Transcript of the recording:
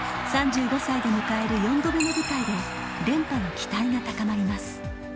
３５歳で迎える４度目の舞台で、連覇の期待が高まります。